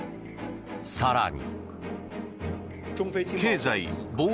更に。